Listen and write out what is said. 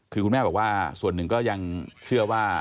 คือคุณแม่บอกว่าส่วนหนึ่งก็ยังเชื่อว่า